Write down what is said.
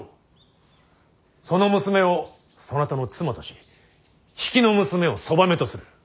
その娘をそなたの妻とし比企の娘をそばめとする。